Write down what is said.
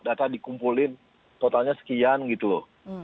data dikumpulin totalnya sekian gitu loh